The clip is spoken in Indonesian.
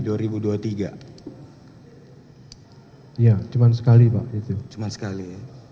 oh ya cuman sekali pak itu cuma sekali